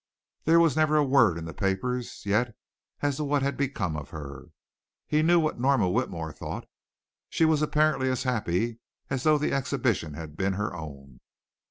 There was never a word in the papers yet as to what had become of her. He knew what Norma Whitmore thought. She was apparently as happy as though the exhibition had been her own.